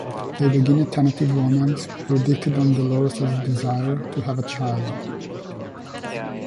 They begin a tentative romance, predicated on Dolores's desire to have a child.